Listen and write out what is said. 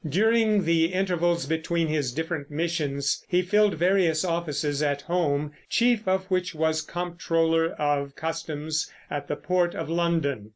During the intervals between his different missions he filled various offices at home, chief of which was Comptroller of Customs at the port of London.